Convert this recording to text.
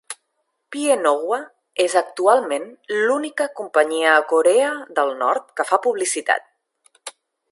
Pyeonghwa és actualment l"única companyia a Corea del Nord que fa publicitat.